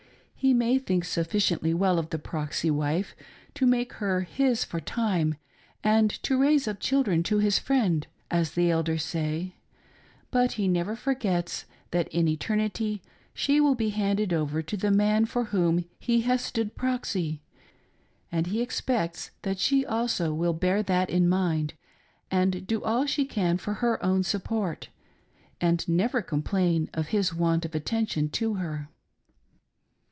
He may think suffi ciently well of the " proxy " wife to make her his for time and to raise up children to his friend, as the Elders say, but he never forgets that in eternity she will be handed over to the man for whom he has stood proxy, and he expects that she also will bear that in mind, and do all she can for her own support, and never complain of his want of attention to her.